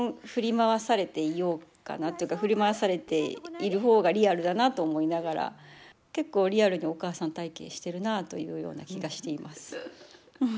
基本振り回されている方がリアルだなと思いながら結構リアルにお母さん体験してるなというような気がしています。